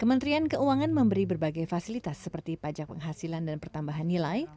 kementerian keuangan memberi berbagai fasilitas seperti pajak penghasilan dan pertambahan nilai